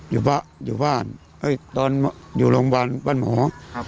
อยู่บ้านเอ้ยตอนอยู่โรงพยาบาลบ้านหมอครับ